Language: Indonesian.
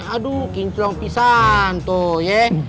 aduh kincelong pisang tuh ya